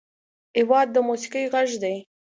هېواد د موسیقۍ غږ دی.